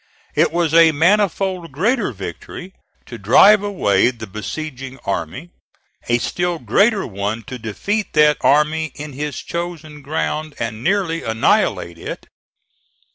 It was a manifold greater victory to drive away the besieging army; a still greater one to defeat that army in his chosen ground and nearly annihilate it.